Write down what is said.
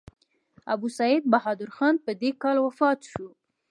ابوسعید بهادر خان په دې کال وفات شو.